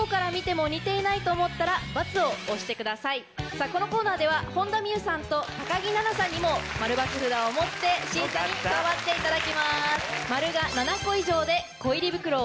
さぁこのコーナーでは本田望結さんと木菜那さんにも○×札を持って審査に加わっていただきます。